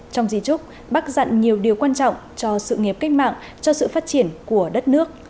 trong di trúc bác dặn nhiều điều quan trọng cho sự nghiệp cách mạng cho sự phát triển của đất nước